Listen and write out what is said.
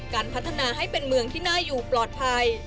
การพัฒนาให้เป็นเมืองที่น่าอยู่ปลอดภัย